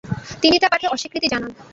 তিনি তা পাঠে অস্বীকৃতি জানান।